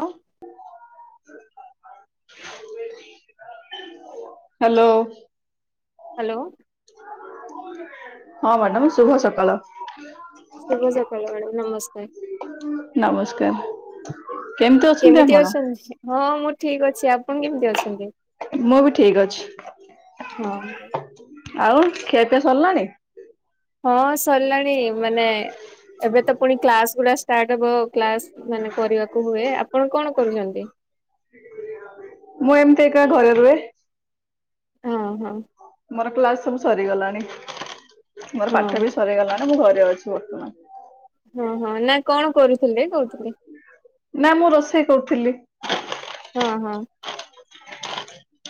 ଆ hello. Hello. ହଁ madam ଶୁଭ ସକାଳ। [inaudible] ଶୁଭ ସକାଳ ମ୍ୟାମ ନମସ୍କାର। ନମସ୍କାର। ଅଛନ୍ତି କେମିତି ଆପଣ? ଅଛନ୍ତି? ହଁ ମୁଁ ଠିକ ଅଛି ଆପଣ କେମିତି ଅଛନ୍ତି? ମୁଁ ବି ଠିକ ଅଛି। ହଁ ଆଉ ଖିଆ ପିଆ ସରିଲାଣି? ହଁ ସରିଲାଣି ମାନେ ଏବେ ତ ପୁଣି କ୍ଲାସ୍ ଗୁଡ଼ା ଷ୍ଟାର୍ଟ ହବ କ୍ଲାସ୍ ମାନେ କରିବାକୁ ହୁଏ ଆପଣ କଣ କରୁଚନ୍ତି? ମୁଁ ଏମିତି ଏକା ଘରେ ରୁହେ। ଓ ହୋ। ମୋର କ୍ଲାସ ସବୁ ସରିଗଲାଣି। ମୋର ହଁ ପାଠ ବି ସରିଗଲାଣି ମୁଁ ଘରେ ଅଛି ବର୍ତ୍ତମାନ। ହଁ ହଁ ନା କଣ କରୁଥିଲେ କହୁଥିଲି। ନା ମୁଁ ରୋଷେଇ କରୁଥିଲି। ହଁ-ହଁ।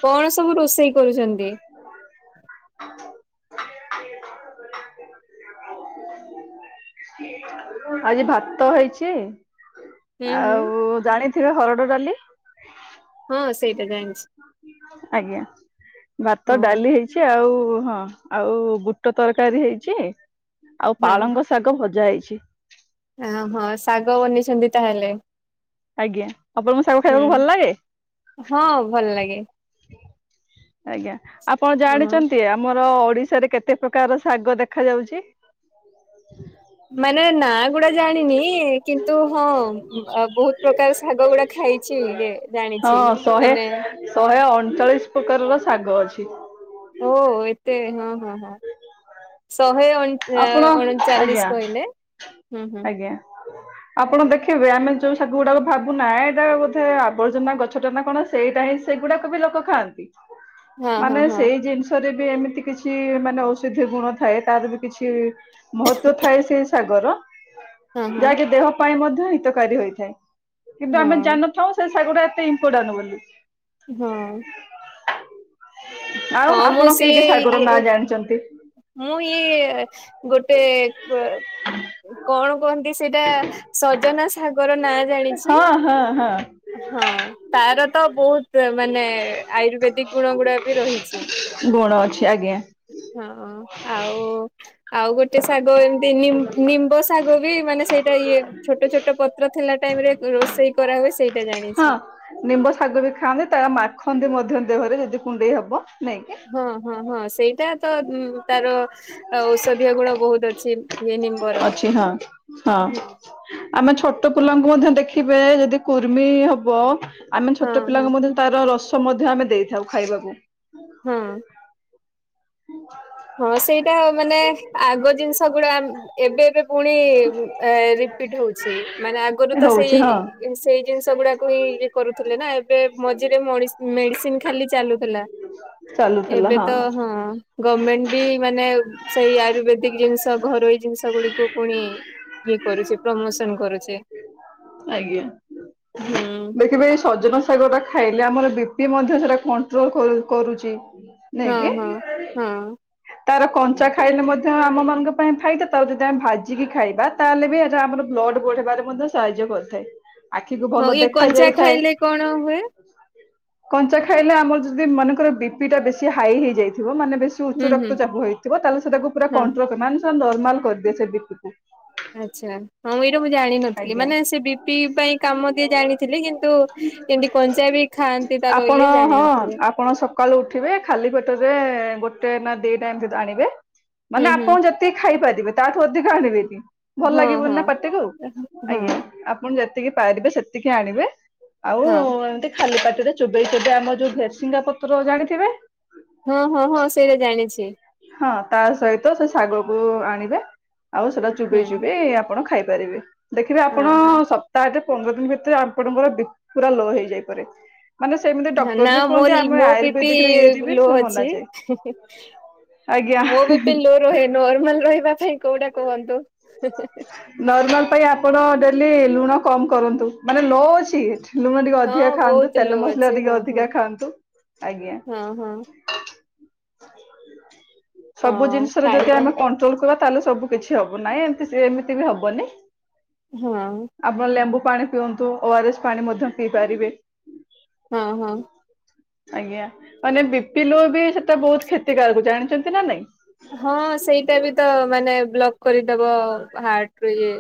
କଣ ସବୁ ରୋଷେଇ କରୁଛନ୍ତି? ଆଜି ଭାତ ହେଇଛି, ହୁଁ ହୁଁ ଆଉ ଜାଣିଥିବେ ହରଡ ଡାଲି? ହଁ ସେଇଟା ଜାଣିଛି ଆଜ୍ଞା, ଭାତ ହଁ ଡାଲି ହେଇ ଛି ଆଉ ହଁ ଆଉ ବୁଟ ତରକାରୀ ହେଇଛି ଆଉ ପାଳଙ୍ଗ ଶାଗ ଭଜା ହେଇଛି। ଏଁ ହଁ ଶାଗ ବନେଇଛନ୍ତି ତାହେଲେ? ଆଜ୍ଞା, ଆପଣଙ୍କୁ ଶାଗ ହୁଁ ଖାଇବାକୁ ଭଲ ଲାଗେ? ହଁ, ଭଲ ଲାଗେ। ଆଜ୍ଞା, ଆପଣ ହଁ। ଜାଣିଛନ୍ତି ଆ ଆମର ଓଡିଶାରେ କେତେ ପ୍ରକାର ଶାଗ ଦେଖାଯାଉଛି? ମାନେ ନାଆଁ ଗୁଡା ଜାଣିନି କିନ୍ତୁ ହଁ ବହୁତ ପ୍ରକାର ଶାଗ ଗୁଡା ଖାଇ ଛି, ଏ ଜାଣିଛି। ହଁ ଶହେ, ମାନେ ଶହେ ଅଣଚାଳିଶ ପ୍ରକାରର ଶାଗ ଅଛି। ଓ ଏତେ ହଁ- ହଁ-ହଁ। ଶହେ ଅଣ ଆପଣ ଅଣଚାଲିଶ କହିଲେ, ହୁଁ-ହୁଁ। ହ ଆପଣ ଦେଖିବେ ଆମେ ଯୋଉ ଶାଗ ଗୁଡାକ ଭାବୁନା ଏଇଟା ବୋଧେ ଆବର୍ଜନା ଗଛଟା ନା କଣ ସେଇଟା ହିଁ ସେଗୁଡାକ ବି ଲୋକ ଖାଆନ୍ତି, ହଁ ହଁ ମାନେ ହଁ ସେଇ ଜିନିଷ୍ [unintelligible] ବି ଏମିତି କିଛି ମାନେ ଔଷଧୀୟ ଗୁଣ ଥାଏ ତାର ବି କିଛି ମହତ୍ଵ ଥାଏ ସେଇ ଶାଗର ହଁ ହଁ। ଯାହାକି ଦେହ ପାଇଁ ମଧ୍ୟ ହିତକାରୀ ହୋଇଥାଏ। କିନ୍ତୁ ଆମେ ହଁ ଜାଣି ନଥାଉ ସେ ଶାଗଗୁଡା ଏତେ ଇମ୍ପୋଟାଣ୍ଟ୍ ବୋଲି। ହଁ। ଆଉ ହଁ ମୁଁ ଆପଣ କି କି ସିଏ-ଏ-ଏ ଶାଗର ନାଁ ଇଏ-ଏ-ଏ ଜାଣିଛନ୍ତି? ମୁଁ ଇଏ-ଏ-ଏ ଗୋଟେ କଣ କୁହନ୍ତି ସେଇଟା ସଜନା ଶାଗର ନାଆଁ ଜାଣିଛି। ହଁ-ହଁ। ହଁ ତାର ତ ବହୁତ ମାନେ ଆୟୁର୍ବେଦିକ ଗୁଣ ଗୁଡା ବି ରହିଛି। ଗୁଣ ଅଛି ଆଜ୍ଞା। ହଁ ଆଉ ଆଉ ଗୋଟେ ଶାଗ ଏମ୍ ତି, ନିମ୍ ନିମ୍ବ ଶାଗ ବି ମାନେ ସେଇଟା ଇଏ ଛୋଟ ଛୋଟ ପତ୍ର ଥିଲା ଟାଇମରେ ରୋଷେଇ କରା ହୁଏ ସେଇଟା ହଁ ଜାଣିଛି। ନିମ୍ବ ଶାଗ ବି ଖାଆନ୍ତି ତା ମାଖନ୍ତି ମଧ୍ୟ ଦେହରେ ଯଦି କୁଣ୍ଡେଇ ହବ। ନାଇଁକି। ହଁ-ହଁ-ହଁ ସେଇଟା ତ ତାର ଔଷଧୀୟ ଗୁଣ ବହୁତ ଅଛି ଇଏ ନିମ୍ବର, ଅଛି ହଁ ହଁ ହୁଁ। ଆମେ ଛୋଟ ପିଲାଙ୍କୁ ମଧ୍ୟ ଦେଖିବେ ଯଦି କୁର୍ମି ହବ ଆମେ ହଁ ଛୋଟ ହଁ ପିଲାଙ୍କୁ ମଧ୍ୟ ତାର ରସ ମଧ୍ୟ ଆମେ ଦେଇଥାଉ ଖାଇବାକୁ। ହଁ। ହୁଁ ହଁ ସେଇଟା ମାନେ ଆଗ ଜିନିଷଗୁଡା ଏବେ ଏବେ ପୁଣି-ଇ ରିପିଟ୍ ହଉଛି ମାନେ ଆଗରୁ ତ ହଉଛି ହଁ ସେଇ ସେଇ ଜିନିଷ ଗୁଡାକୁ ହିଁ ଇଏ କରୁଥିଲେ ନା ଏବେ ମଝିରେ ମଡିସ୍ ମେଡିସିନ୍ ଖାଲି ଚାଲୁଥିଲା। ହୁଁ ଏବେ ତ ହଁ ଗମେଣ୍ଟ ବି ମାନେ ସେଇ ଆୟୁର୍ବେଦିକ ଜିନିଷ ଘରୋଇ ଜିନିଷ ଗୁଡିକୁ ପୁଣି ଇଏ କରୁଚି ପ୍ରମୋସନ କରୁଚି। ଆଞା। ହୁଁ ଦେଖିବେ ଏଇ ସଜନା ଶାଗ ଟା ଖାଇଲେ ଆମର ବି ପି ମଧ୍ୟ ସେଟା କଣ୍ଟ୍ରୋଲ କରୁ କରୁଛି। ନାଇଁ ହଁ ହଁ କି ହଁ ତାର କଞ୍ଚା ଖାଇଲେ ମଧ୍ୟ ଆମମାନଙ୍କ ପାଇଁ ଫାଇଦା ତାଉ ଯଦି ଆମେ ଭାଜିକି ଖାଇବା ତାହେଲେ ବି ଏଟା ଆମର ବ୍ଲଡ଼୍ ବଢ଼ବାରେ ମଧ୍ୟ ସାହାଯ୍ୟ କରିଥାଏ ଆଖିକୁ ହଁ ଭଲ ଇଏ ଦେଖ କଞ୍ଚା ଯାଇଥାଏ। ଖାଇଲେ କଣ ହୁଏ କଞ୍ଚା ଖାଇଲେ ଆମର ଯଦି ମନେଙ୍କର ବି ପି ଟା ବେଶୀ ହାଇ ହେଇଯାଇଥିବ ମାନେ ବେଶୀ ହୁଁ ଉଚ୍ଚ ରକ୍ ହୁଁ ଚାପ ହେଇଥିବ ତାହେଲେ ସେ ତାକୁ ପୁରା ହଁ କଣ୍ଟ୍ରୋଲ ମାନେ ନର୍ମାଲ କରିଦିଏ ସେ ବିପିକୁ। ଆଚ୍ଛା ହଁ ଏଇଟା ମୁଁ ଜାଣିନଥିଲି ଆଜ୍ଞା। ମାନେ ସେ ବି ପି ପାଇଁ କାମ ଦିଏ ଜାଣିଥିଲି କିନ୍ତୁ ଇନ୍ତି କଞ୍ଚା ବି ଖାଆନ୍ତି ତାର ଆପଣ ଇଏ ହଁ ଜାଣିନଥିଲି। ଆପଣ ସକାଳୁ ଉଠିବେ ଖାଲି ପେଟରେ ଗୋଟେ ନା ଦିଟା ଏମତି ଆଣିବେ ମାନେ ହୁଁ ହୁଁ ଆପଣ ଯେତିକି ଖାଇପାରିବେ ତାଠୁ ଅଧିକ ଆଣିବେ ନି। ଭଲ ହଁ ଲାଗିବନି ହଁ ନା ପାଟିକୁ ହଁ ଆଜ୍ଞା ହଁ ଆପ ପୁଣି ଯେତିକି ପାରିବେ ସେତିକି ଆଣିବେ ଆଉ ଏମିତି ଖାଲି ପାଟିରେ ଚୋବେଇ ଚୋବେ ଆମର ଯୋଉ ଭେରସିଙ୍ଗା ପତ୍ର ଜାଣିଥିବେ? ହଁ ହଁ ହଁ ସେଇରା ଜାଣିଛି। ହଁ ତା ସହିତ ସେ ଶାଗ କୁ ଆଣିବେ ଆଉ ସେଟା ହୁଁ ଚୁବେଇ ଚୁବେଇ ଆପଣ ଖାଇପାରିବେ ଦେଖିବେ ହଁ ଆପଣ ହଁ ସପ୍ ସପ୍ତାହରେ ପନ୍ଦର ଦିନ ଭିତରେ ଆପଣଙ୍କର ବିପି ପୁରା ଲୋ ହେଇଯାଇପାରେ। ମାନେ ସେମିତି ନା ଡକ୍ଟର ବି ମୋ କୁହନ୍ତି ଆମେ ମୋ ବିପି ଆୟୁର୍ବେଦିକରେ ଇଏରେ ବି ଲୋ ସେ ଅଛି। ମନାଯାଏ। ଆଜ୍ଞା। ମୋ ବିପି ଲୋ ରୁହେ ନର୍ମାଲ ରହିବା ପାଇଁ କୋଉଟା କୁହନ୍ତୁ। ନର୍ମାଲ ପାଇଁ ଆପଣ ଡେଲି ଲୁଣ କମ୍ କରନ୍ତୁ ମାନେ ଲୋ ଅଛି? ଲୁଣ ଟିକେ ଅଧିକ ହଁ ଖାଆନ୍ତୁ ବହୁତ ଲୋ ତେଲ ମସଲା ଅଛି ଟିକେ ହଁ ହଁ ଅଧିକ ଖାଆନ୍ତୁ। ଆଜ୍ଞା। ହଁ ହଁ ସବୁ ହଁ ଜିନିଷରେ ଯଦି ଖାଇବା ଆମେ କଣ୍ଟ୍ରୋଲ କରିବା ତାହେଲେ ସବୁ କିଛି ହବ ନାହିଁ ଏମିତି ଏମିତି ବି ହବନି। ହଁ। ଆପଣ ଲେମ୍ବୁ ପାଣି ପିଅନ୍ତୁ ଓଆରଏସ୍ ପାଣି ମଧ୍ୟ ପିଇ ପାରିବେ। ହଁ ହଁ। ଆଜ୍ଞା ମାନେ ବିପି ଲୋ ବି ସେଟା ବହୁତ କ୍ଷତିକାରକ ଜାଣିଛନ୍ତି ନା ନାଇଁ? ହଁ ସେଇଟା ବି ତ ମାନେ ବ୍ଲକ୍ କରିଦବ ହାର୍ଟ ରଇଏ।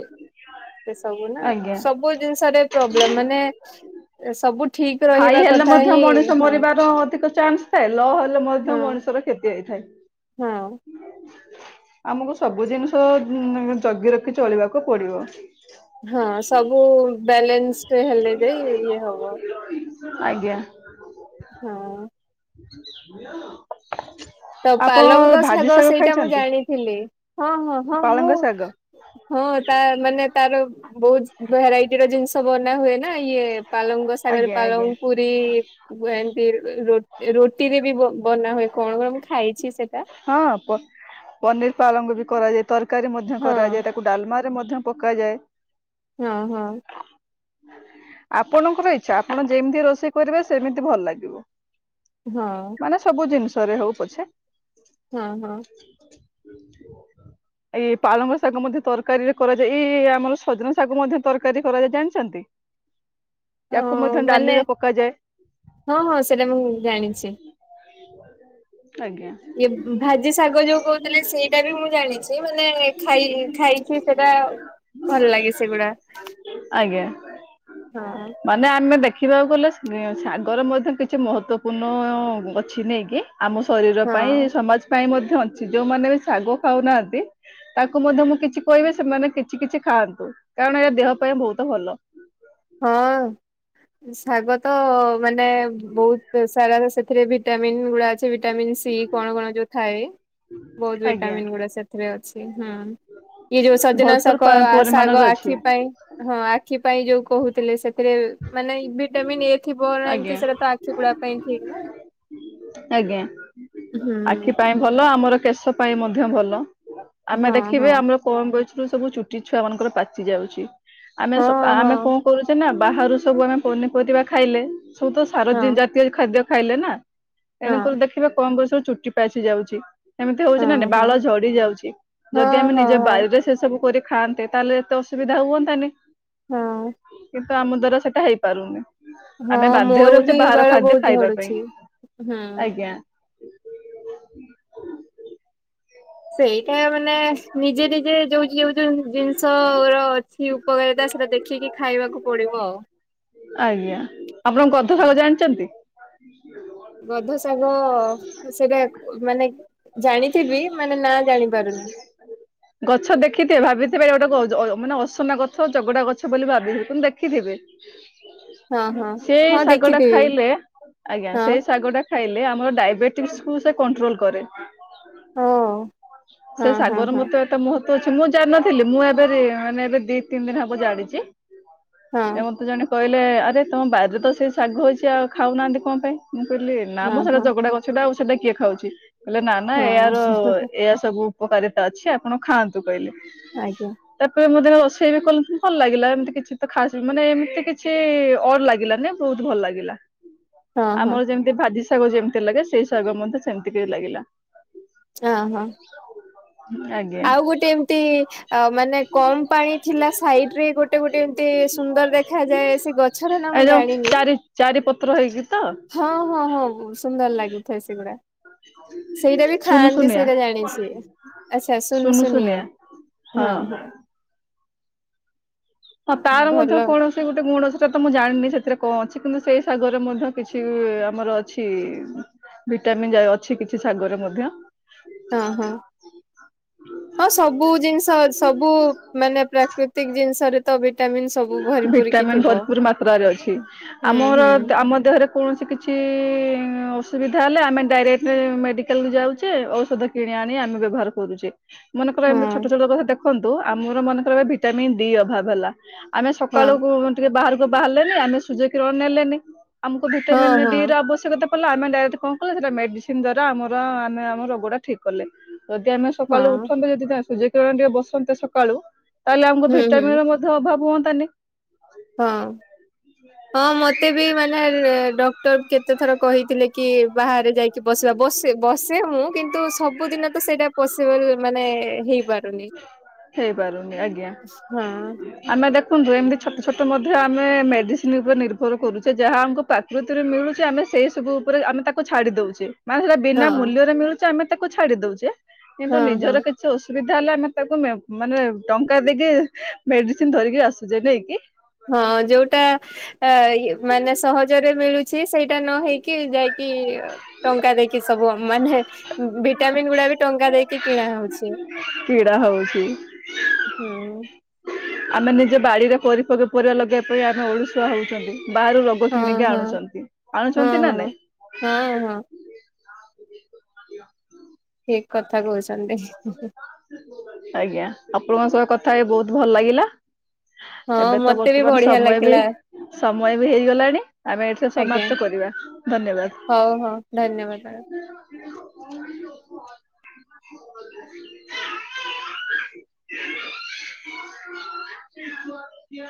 ସେ ସବୁ ନା। ଆଜ୍ଞା ସବୁ ଜିନିଷରେ ପ୍ରୋବ୍ଲେମ ମାନେ ସବୁ ଠିକ ହାଇ ରହିବା ହେଲେ କଥା ମଧ୍ୟ ହିଁ ମଣିଷ ହଁ ମରିବାର ଅଧିକ ଚାନ୍ସ ଥାଏ ଲୋ ହେଲେ ମଧ୍ୟ ହଁ ମଣିଷର କ୍ଷତି ହେଇଥାଏ। ହଁ ଆମକୁ ସବୁ ଜିନିଷ ଜଗି ରଖି ଚଳିବାକୁ ପଡ଼ିବ। ହଁ ସବୁ। ବାଲେନ୍ସ ରେ ହେଲେ ଯାଇ ଇଏ ହବ। ହଁ। ବୁଝୁଛ। ହ୍ୟାଲୋ। [inaudible] ତ ପାଲଙ୍ଗ ଶାଗ ସେଇଟା ମୁଁ ଜାଣିଥିଲି। ହଁ ହଁ ହଁ ମୁଁ ପାଳଙ୍ଗ ଶାଗ ହଁ ତା ମାନେ ତାର ବହୁତ ଭେରାଇଟିର ଜିନିଷ ବନା ହୁଏ ନା ଇଏ ପାଲଙ୍ଗ ଶାଗ ଶାଗରେ। ଆଜ୍ଞା ଆଜ୍ଞା ପାଳଙ୍ଗ ପୁରି ପୁରି ଏମିତି ରୁଟିରେ ବି ବନା ହୁଏ କଣ କଣ ମୁଁ ଖାଇଛି ସେଟା। ହଁ ପନିର ପାଳଙ୍ଗ ବି କରାଯାଏ ତରକାରୀ ମଧ୍ୟ ହଁ କରାଯାଏ ତାକୁ। ତାକୁ ଡାଲମାରେ ମଧ୍ୟ ପକାଯାଏ। ହଁ ହଁ। [inaudible] ଆପଣଙ୍କର ଇଚ୍ଛା ଆପଣ ଯେମିତି ରୋଷେଇ କରିବେ ସେମିତି ଭଲ ଲାଗିବ। ହଁ। ମାନେ ସବୁ ଜିନିଷ ରେ ହଉ ପଛେ। ହଁ ହଁ। ଏଇ ପାଳଙ୍ଗ ଶାଗ ମଧ୍ୟ ତରକାରୀରେ କରାଯାଏ ଏଇ ଏଇ ଆମର ସଜନା ଶାଗ ମଧ୍ୟ ତରକାରୀ କରାଯାଏ ଜାଣିଛନ୍ତି। ଅ ୟାକୁ ମଧ୍ୟ ମାନେ ଡାଳିରେ ପକାଯାଏ। ହଁ ହଁ ସେଟା ମୁଁ ଜାଣିଛି। ଆଜ୍ଞା। ଇଏ ଭାଜି ଶାଗ ଯୋଉ କହୁଥିଲେ ସେଇଟା ବି ମୁଁ ଜାଣିଛି ମାନେ ଖାଇ ଖାଇଛି ସେଟା ଭଲ ଲାଗେ ସେଗୁଡ଼ା। ଆଜ୍ଞା। ହଁ। ମାନେ ଆମେ ଦେଖିବାକୁ ଗଲେ ଶାଗର ମଧ୍ୟ କିଛି ମହତ୍ଵପୂର୍ଣ୍ଣ ଆଛି ନେଇକି। ଆମ ଶରୀର ପାଇଁ ହଁ ସମାଜ ପାଇଁ ମଧ୍ୟ ଅଛି ଯୋଉମାନେ ବି ଶାଗ ଖାଉନାହାନ୍ତି ତାଙ୍କୁ ମଧ୍ୟ ମୁଁ କିଛି କହିବି ସେମାନେ କିଛି କିଛି ଖାଆନ୍ତୁ, କାରଣ ଏହା ଦେହ ପାଇଁ ବହୁତ ଭଲ। ହଁ। ଶାଗ ତ ମାନେ ବହୁତ ସାରା ସେଥିରେ ଭିଟାମିନ୍ ଗୁଡ଼ା ଅଛି ଭିଟାମିନ୍ ସି କଣ କଣ ଯୋଉ ଥାଏ? [inaudible] ବହୁତ ଆଜ୍ଞା। ଭିଟାମିନ୍ ଗୁଡ଼ା ସେଥିରେ ଅଛି ହୁଁ। ଏ ଯୋଉ ଭରପୁର ସଜନାଶକ ପା ଶାଗ ପରିମାଣରେ ଅଛି। ଆଖି ପାଇଁ। ହଁ ଆଖି ପାଇଁ ଯୋଉ କହୁଥିଲେ ସେଥିରେ ମାନେ ଭିଟାମନ୍ ଏ ଥିବ ଆଜ୍ଞା। ଏମତି ସେଇଟା ତ ଆଖି ଗୁଡିବା ପାଇଁ ଠିକ ନା। ଆଜ୍ଞା ହୁଁ ଆଖି ପା ଭଲ ଆମର କେଶ ପାଇଁ ମଧ୍ୟ ଭଲ ଆମେ ହଁ ଦେଖିବେ ହଁ। ଆମର କଣ ବୟସରୁୁ ସବୁ ଚୁଟି ଛୁଆ ମାନଙ୍କର ପାଚି ଯାଉଛି ଆମେ ସକା ହଁ ହଁ ଆମେ କଣ କରୁଛେ ନା ବାହାରୁ ସବୁ ଆମେ ପନିପରିବା ଖାଇଲେ ସବୁ ତ ହଁ ସାରାଦିନ ଜା ତିଅ ଖାଦ୍ୟ ଖାଇଲେ ନା ହଁ ତେଣୁକ ଦେଖିବାେ କମ ବୟସରୁ ଚୁଟି ପାଛିି ଯାଉଛି। ସେମିତି ହଉଛି ନା ହଁ ନାଇ ବାଳ ହଁ ଝଡି ଯାଉଛି ଯଦି ହଁ ଆମେ ହଁ ନିଜ ହଁ। ବାରିରେ ସେ ସବୁ କରି ଖାଆନ୍ତେ ତାହେଲେ ଏତେ ଅସୁବିଧା ହୁଅନ୍ତାନି ହଁ କିନ୍ତୁ ଆମ ଦ୍ଵାରା ସେଟା ହେଇପାରୁନି। ହଁ ଆମେ ବାଧ୍ୟ ମୋର ହଉଛେ ବି ବାହାର ବାଳ ଖାଦ୍ୟ ବହୁତ ଖାଇବା ପାଇଁ। ଝଡୁଛି ହୁଁ। ଆଜ୍ଞା ସେଇଟା ମାନେ ନିଜେ ନିଜେ ଯୋଉ ଯୋଉ ଯୋଉ ଜିନିଷ ର ଅଛି [unintelligible] ସେଟା ଦେଖିକି ଖାଇବାକୁ ପଡିବ। ଆଜ୍ଞା ଆପଣ ଗଧ ଶାଗ ଜାଣିଛନ୍ତି? ଗଧ ଶାଗ ସେଟ ମାନେ ଜାଣିଥିବି ମାନେ ନା ଜାଣି ପାରୁନି। ଗଛ ଦେଖିଥିବେ ଭାବିଥିବ ଗୋଟେ ଆଜ ଆୟ ମାନେ ଅସନା ଗଛ ଜଗଡା ଗଛ ବୋଲି ଭାବିଥିବେ କିନ୍ତୁ ଦେଖିଥିବେ। ହଁ ହଁ ସେଇ ହଁ ଶାଗ ଟା ଦେଖିଥିବି। ଖାଇଲେ ଆଜ୍ଞା ସେଇ ହଁ ଶାଗ ଟା ଖାଇଲେ ଆମର ଡାଇବେଟିକ୍ସକୁ ସେ କଣ୍ଟ୍ରୋଲ କରେ। ଓ ସେ ହଁ ହଁ ଶାଗର ହଁ ମତେ ତ ମୁହତ୍ଵ ଅଛି ମୁଁ ଜାଣିନଥିଲି ମୁଁ ଏବେ ରି ମାନେ ଏବେ ଦି ତିନି ଦିନ ହବ ଜାଣିଛି। ହଁ ଏ ମତେ ଜଣେ କହିଲେ ଆରେ ତମ ବାରିରେ ତ ସେ ଶାଗ ହଉଛି ଆଉ ଖାଉନାହାନ୍ତି କଣ ପାଇଁ ମୁଁ କହିଲି ନା ହଁ ମୁଁ ସେଇଟା ହଁ ଜଗଡା ଗଛଟା ଆଉ ସେଇଟା କିଏ ଖାଉଛି କହିଲେ ନା ନା ହଁ ଏୟାର ଏଇଆ ସବୁ ଉପକାରିତା ଅଛି ଆପଣ ଖାଆନ୍ତୁ କହିଲେ ଆଜ୍ଞା ତାପରେ ମୁଁ ଯେତେବେଳେ ରୋଷେଇ ବି କଲି ଭଲ ଲାଗିଲା ଏମିତି କିଛି ତ ଖାସ ବି ମାନେ ଏମିତି କିଛି ଅଡ ଲାଗିଲାନି ବହୁତ ଭଲ ଲାଗିଲା ହଁ ହଁ ଆମର ଯେମିତି ଭାଜି ଶାଗ ଯେମିତି ଲାଗେ ସେଇ ଶାଗ ମଧ୍ୟ ସେମିତି କି ଲାଗିଲା ହଁ ହଁ [inaudible] ହଁ ଆଜ୍ଞା। ଆଉ ଗୋଟେ ଏମିତି ଆ ମାନେ କମ୍ ପାଣି ଥିଲା ସାଇଡ୍‌ ରେ ଗୋଟେ ଗୋଟେ ଏମିତି ସୁନ୍ଦର ଦେଖାଯାଏ ସେ ଗଛ ଗଛର ନା ମୁଁ ଜାଣିନି ଚାରିପତ୍ର ହେଇକି ତ ହଁ ହଁ ହଁ ସୁନ୍ଦର ଲାଗୁଥାଏ ସେଗୁଡା ସେଇଟା ବି ସୁନୁ ଖାଆନ୍ତି ସୁନିଆ ସେଇଟା ଜାଣିଛି ଆଚ୍ଛା ଶୁନୁ ସୁନୁ ସୁନିଆ ଶୁନୁଆ। ହଁ ଆଉ ତାର ମଧ୍ୟ ଭଲ କଣ ସେ ଗୋଟେ ଗୁଣ ସେଟା ତ ମୁଁ ଜାଣିନି ସେଥିରେ କଣ ଅଛି କିନ୍ତୁ ସେଇ ସାଗରେ ମଧ୍ୟ କିଛି ଆମର ଅଛି ଭିଟାମିିନ୍‌ ଯେ ଅଛି କିଛି ଶାଗରେ ମଧ୍ୟ ହଁ ହଁ। ହଁ ସବୁ ଜିନିଷ ସବୁ ମାନେ ପ୍ରାକୃତିକ ଜିନିଷରେ ତ ଭଟାମିନ୍‌ ଭିଟାମିନ୍ ଭରପୁର ମାତ୍ରାରେ ଅଛି ହୁଁ ଆମର ହୁଁ ଆମ ଦେହରେ କୌଣସି କିଛି ଅସୁବିଧା ହେଲେ ଆମେ ଡାଇରେକ୍ଟ ମେଡ଼ିକାଲକୁ ଯାଉଛେ ଔଷଧ କିଣି ଆଣି ଆମେ ବ୍ୟବହାର କରୁଛେ ମନେକର ହଁ ଏମିତି ଛୋଟ ଛୋଟ କଥା ଦେଖନ୍ତୁ ଆମର ମନେକର ଭିଟାମନ୍ ଡି ଅଭାବ ହେଲା ଆମେ ହଁ ସକାଳୁ କୁ ଟିକେ ବାହାରକୁ ବାହାରିଲେନି ଆମେ ସୂର୍ଯ୍ୟ କିରଣ ନେଲେନି ଆମକୁ ହଁ ଭିଟାମିନ୍ ହଁ ଡି ର ଆବଶ୍ୟକତା କ ଆମେ ଡାଇରକ୍ଟ କଣ କଲେ ସେଟା ମେଡିସିନ ଦ୍ଵାରା ଆମର ଆମେ ଆମ ରୋଗଟା ଠିକ୍ କଲେ ଯଦି ଆମ ସକାଳୁ ହଁ ଉଠନ୍ତେ ଯଦି ତା ସୂର୍ଯ୍ୟ କିରଣରେ ଟିକେ ବସନ୍ତେ ସକାଳୁ ତାହେଲେ ଆମକୁ ହୁଁ ଭିଟାମିନ ହୁଁ। ର ମଧ୍ୟ ଅଭାବ ହୁଅନ୍ତା ତାନି। ହଁ। ହଁ ମତେ ବି ମାନେ ଡକ୍ଟର କେତେ ଥର କହିଥିଲେ କି ବା ବାହାରେ ଯାଇକି ବସ ବସେ ବସେ ମୁଁ କିନ୍ତୁ ସବୁଦିନ ତ ସେଇଟା ପସିବୁଲ୍ ମାନେ ହେଇ ପାରୁନି ହେଇପାରୁନି ଆଜ୍ଞା। ହଁ ଆମେ ଦେଖନ୍ତୁ ଏମିତି ଛୋଟ ଛୋଟ ମଧ୍ୟ ଆମେ ମେଡିସିନ ଉପରେ ନିର୍ଭର କରୁଛେ ଯାହା ଆମକୁ ବୃତିରେ ମିଳୁଛି ଆମେ ସେଇ ସବୁ ଉପରେ ଆମେ ତାକୁ ଛାଡି ଦଉଛେ ମାନେ ସେଟା ହଁ ବିନା ମୂଲ୍ୟରେ ମିଳୁଛି ଆମେ ତାକୁ ଛାଡି ଦଉଛେ କିନ୍ତୁ ହଁ ହଁ ନିଜର କିଛି ସେ ଅସୁବିଧା ହେଲେ ଆମେ ତାକୁ ମାନେ ଟଙ୍କା ଦେଇକି ମେଡିସିନ ଧରିକି ଆସୁଛେ ନାଇକି। ହଁ ଯୋଉଟା ମାନେ ସହଜରେ ମିଳୁ ଛି ସେଇଟା ନ ହେଇକି ଯାଇକି ଟଙ୍କା ଦେଇକି ସବୁ ମାନେ ଭିଟାମିିନ୍‌ ଗୁଡା ବି ଟଙ୍କା ଦେଇକି କିଣା ହଉଛି। କିଡ଼ା ହଉଛି [unintelligible] ହୁଁ [inaudible] ଆମେ ନିଜେ ବାଡିରେ କରି ଫକ ପରିବା ଲଗେଇବା ପାଇଁ ଆମେ ଓଡିଶୁଆ ହଉଛନ୍ତି ବାହାରୁ ର [unintelligible] ୋକ ହଁ କିଣିକି ହଁ ଆଣୁଛନ୍ତି! ହଁ ଆଣୁଛନ୍ତି ନା ହଁ ନାଇଁ ହଁ ହଁ। ଠିକ କଥା କହୁଛନ୍ତି। ଆଜ୍ଞା ଆପଣଙ୍କ ସ କଥା ହେଇ ବହୁତ ଭଲ ଲାଗିଲା। ହଁ ଏବେ ତ ମତେ ବି ବର୍ତ୍ତମାନ ବଢିଆ ସମୟ ବି ଲାଗିଲା ସମୟ ବି ହେଇଗଲାଣି ଆମେ ଏଇଠିରେ ଆଜ୍ଞା ସମାପ୍ତ କରିବା ଧନ୍ୟବାଦ। ହଉ ହଉ ଧନ୍ୟବାଦ ମ୍ୟାଡ଼